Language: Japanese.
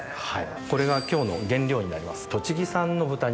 これが今日の原料になります栃木産の豚肉。